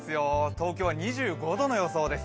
東京は２５度の予想です。